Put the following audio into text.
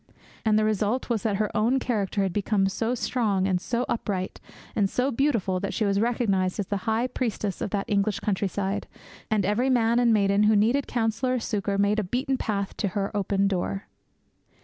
And the result was that her own character had become so strong and so upright and so beautiful that she was recognized as the high priestess of that English countryside, and every man and maiden who needed counsel or succour made a beaten path to her open door.